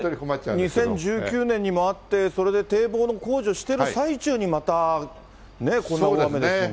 でも２０１９年にもあって、それで堤防の工事をしてる最中に、またね、この大雨ですもんね。